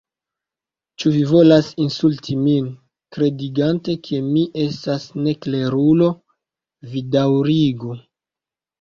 Ĉu vi volas insulti min kredigante ke mi estas neklerulo? vi daŭrigu!"